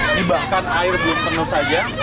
ini bahkan air belum penuh saja